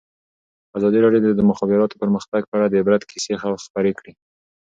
ازادي راډیو د د مخابراتو پرمختګ په اړه د عبرت کیسې خبر کړي.